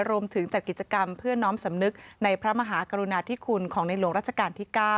รวมถึงจัดกิจกรรมเพื่อน้อมสำนึกในพระมหากรุณาธิคุณของในหลวงราชการที่๙